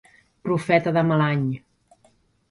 Profeta de mal any.